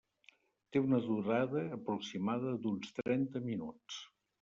Té una durada aproximada d'uns trenta minuts.